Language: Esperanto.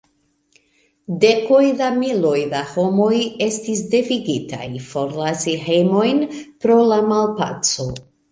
Dekoj da miloj da homoj estis devigitaj forlasi hejmojn pro la malpaco.